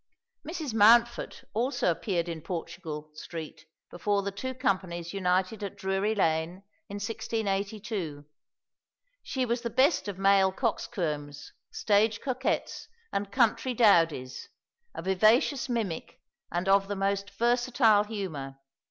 Mrs. Mountfort also appeared in Portugal Street before the two companies united at Drury Lane in 1682. She was the best of male coxcombs, stage coquettes, and country dowdies, a vivacious mimic, and of the most versatile humour.